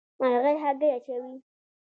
مرغۍ هګۍ اچوي.